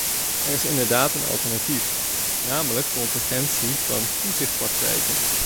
Er is inderdaad een alternatief, namelijk convergentie van toezichtpraktijken.